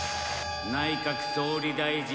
内閣総理大臣。